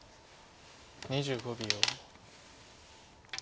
２５秒。